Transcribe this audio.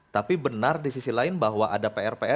tapi benar di sisi lain bahwa ada pr pr